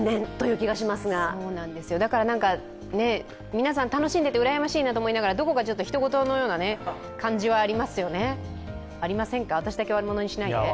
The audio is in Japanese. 皆さん、楽しんでいてうらやましいなと思いながらどこかひと事のような感じはありますよね、ありませんか、私だけ悪者にしないで。